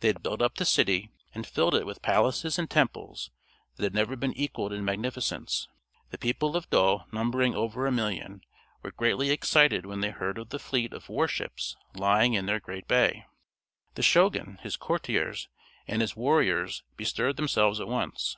They had built up the city, and filled it with palaces and temples that had never been equaled in magnificence. The people of Yedo, numbering over a million, were greatly excited when they heard of the fleet of war ships lying in their great bay. The Shogun, his courtiers and his warriors bestirred themselves at once.